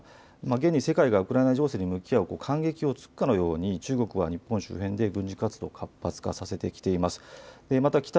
現に世界がウクライナ情勢に向き合う間隙を突くかのように中国は日本周辺で軍事活動を活発化させてきています。